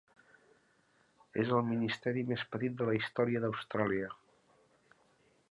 És el ministeri més petit de la història d'Austràlia.